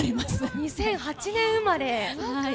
２００８年生まれ。